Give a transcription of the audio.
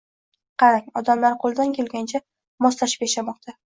Qarang, odamlar qoʻldan kelgancha moslashib yashamoqda.